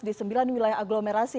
di sembilan wilayah aglomerasi